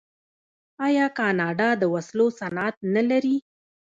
آیا کاناډا د وسلو صنعت نلري؟